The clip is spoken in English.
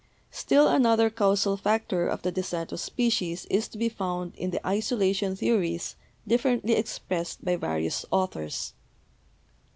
Still another causal factor of the descent of species is to be found in the isolation theories differently expressed by various authors.